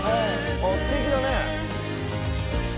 ああすてきだね。